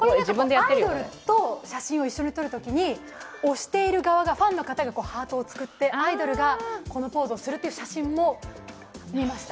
アイドルと写真を一緒に写真を撮るときに、推している側、ファンの方がハートを作って、アイドルがこのポーズをするという写真も見ました。